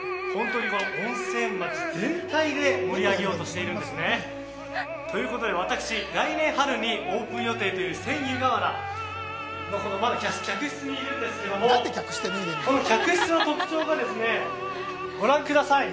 温泉街全体で盛り上げようとしているんですね。ということで私来年春にオープン予定という巛湯河原客室にいるんですけどこの客室の特徴がですねご覧ください。